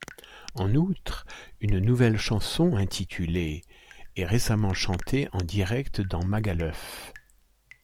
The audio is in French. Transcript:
En outre, une nouvelle chanson intitulée ', est récemment chantée en direct dans Magaluf.